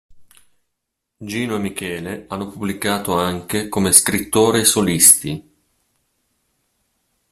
Gino e Michele hanno pubblicato anche come scrittori "solisti".